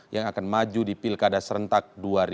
yang akan maju di pilkada serentak dua ribu dua puluh